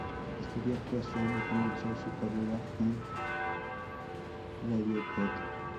Estudió actuación y comenzó su carrera en radioteatro.